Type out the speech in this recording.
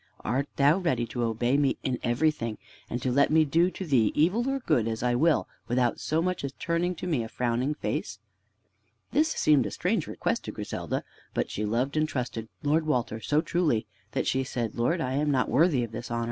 Art thou ready to obey me in everything, and to let me do to thee evil or good as I will without so much as turning to me a frowning face?" This seemed a strange request to Grisdda, but she loved and trusted Lord Walter so truly that she said: "Lord, I am not worthy of this honor.